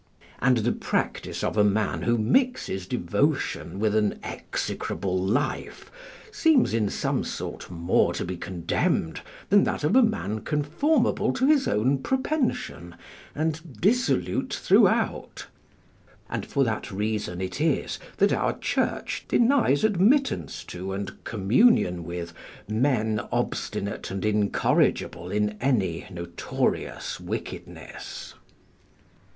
] And the practice of a man who mixes devotion with an execrable life seems in some sort more to be condemned than that of a man conformable to his own propension and dissolute throughout; and for that reason it is that our Church denies admittance to and communion with men obstinate and incorrigible in any notorious wickedness.